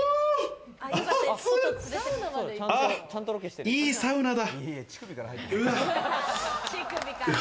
あ、いいサウナだ。